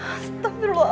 aku mau pergi ke rumah